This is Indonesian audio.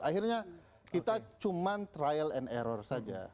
akhirnya kita cuma trial and error saja